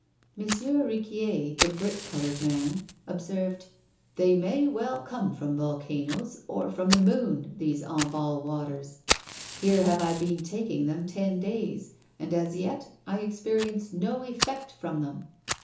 M. Riquier, the brick colored man, observed: "They may well come from volcanoes or from the moon, these Enval waters here have I been taking them ten days, and as yet I experience no effect from them!"